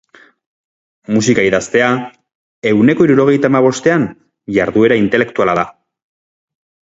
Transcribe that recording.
Musika idaztea, ehuneko hirurogeita hamabostean, jarduera intelektuala da.